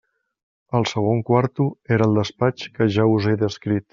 El segon quarto era el despatx que ja us he descrit.